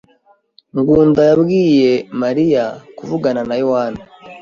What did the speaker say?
Ngunda yabwiye Mariya kuvugana na Yohana.